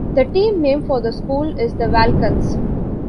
The team name for the school is the Vulcans.